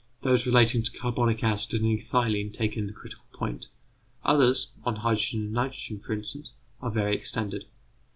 Those relating to carbonic acid and ethylene take in the critical point. Others, on hydrogen and nitrogen, for instance, are very extended.